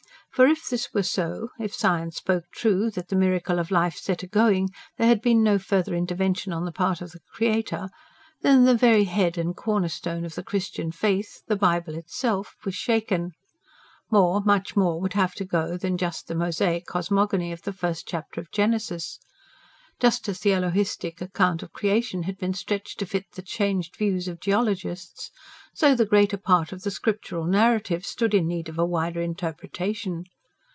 For, if this were so, if science spoke true that, the miracle of life set a going, there had been no further intervention on the part of the Creator, then the very head and corner stone of the Christian faith, the Bible itself, was shaken. More, much more would have to go than the Mosaic cosmogony of the first chapter of Genesis. Just as the Elohistic account of creation had been stretched to fit the changed views of geologists, so the greater part of the scriptural narratives stood in need of a wider interpretation.